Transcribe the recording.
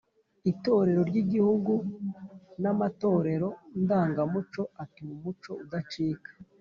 itorero ry’igihugu n’amatorero ndangamuco atuma umuco udacika